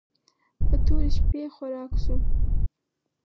په تورې شپې خوراک شو.